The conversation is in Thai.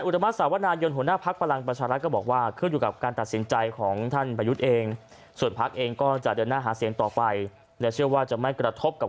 ทางฝากฝั่งของท่านประยุทธเองนะครับ